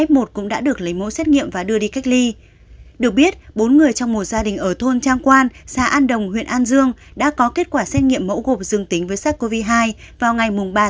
một gia đình ở thôn trang quan xã an đồng huyện an dương đã có kết quả xét nghiệm mẫu gộp dương tính với sars cov hai vào ngày ba một mươi một